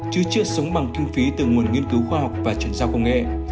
chứ chưa sống bằng kinh phí từ nguồn nghiên cứu khoa học và chuyển giao công nghệ